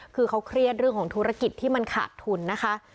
คือเขาเครียดเรื่องของธุรกิจที่มันขาดทุนนะคะ